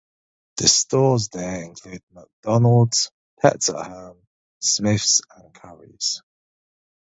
The stores there include McDonald's, Pets at Home, Smyths and Currys.